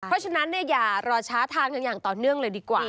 เพราะฉะนั้นเนี่ยอย่ารอช้าทานกันอย่างต่อเนื่องเลยดีกว่า